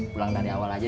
pulang dari awal aja deh